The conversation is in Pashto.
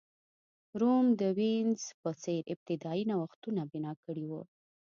روم د وینز په څېر ابتدايي نوښتونه بنا کړي وو.